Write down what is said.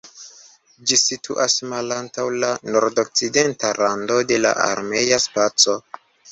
Ĝi situas malantaŭ la nordokcidenta rando de la armea spaco.